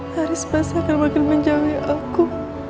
hari sepasang yang makin menjauh ya aku